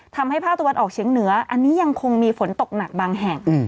ภาคตะวันออกเฉียงเหนืออันนี้ยังคงมีฝนตกหนักบางแห่ง